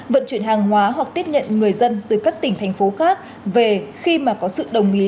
vận chuyển hàng hóa hoặc tiếp nhận người dân từ các tỉnh thành phố khác về khi mà có sự đồng ý